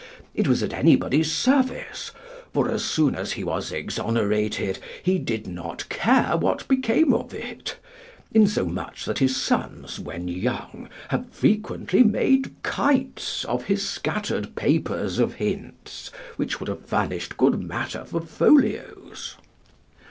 It was at anybody's service, for as soon as he was exonerated he did not care what became of it; insomuch that his sons, when young, have frequently made kites of his scattered papers of hints, which would have furnished good matter for folios.